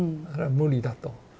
無理だと。